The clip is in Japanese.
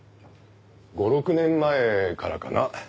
５６年前からかな。